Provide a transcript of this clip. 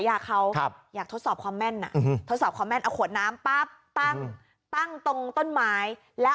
ยาเขาครับอยากทดสอบความแม่นอ่ะอืมตรงต้นไม้แล้ว